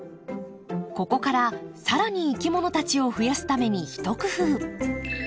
ここから更にいきものたちを増やすために一工夫。